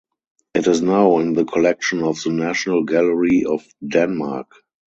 It is now in the collection of the National Gallery of Denmark.